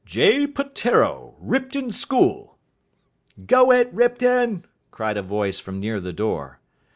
"J. Peteiro, Ripton School." "Go it, Ripton!" cried a voice from near the door.